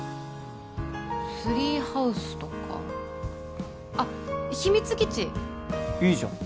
ツリーハウスとかあっ秘密基地いいじゃん